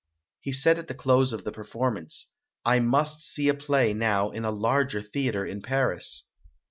He said at the close of the performance, "I must see a play now in a larger theatre in Paris".